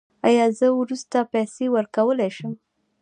ایا زه وروسته پیسې ورکولی شم؟